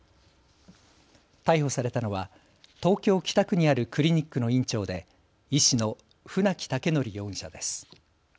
逮捕されたのは東京北区にあるクリニックの院長で医師の船木威徳容疑者です。